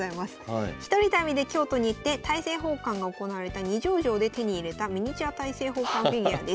１人旅で京都に行って大政奉還が行われた二条城で手に入れたミニチュア大政奉還フィギュアです。